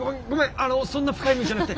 あのそんな深い意味じゃなくて！